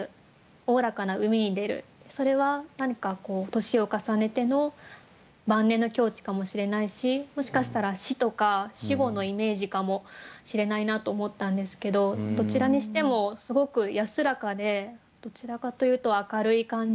それは何かこう年を重ねての晩年の境地かもしれないしもしかしたら死とか死後のイメージかもしれないなと思ったんですけどどちらにしてもすごく安らかでどちらかというと明るい感じ。